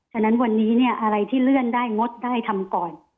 ฉะนั้นวันนี้เนี่ยอะไรที่เลื่อนได้งดได้ทำก่อน